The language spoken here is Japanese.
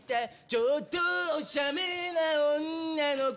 ちょっとおしゃれな女の子。